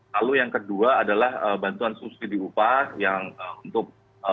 lalu yang kedua adalah bantuan subsidi upah yang untuk